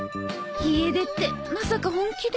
家出ってまさか本気で？